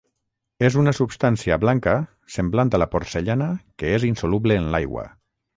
És una substància blanca semblant a la porcellana que és insoluble en l'aigua.